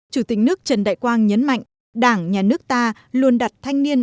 chủ tịch nước trần đại quang nhấn mạnh đảng nhà nước ta luôn đặt thanh niên